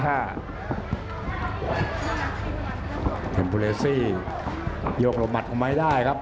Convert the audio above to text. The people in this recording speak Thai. เฮมพูเลสซี่โยกลงมัดของไมค์ได้ครับ